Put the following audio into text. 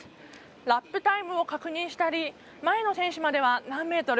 ラップタイムを確認したり前の選手までは何メートル。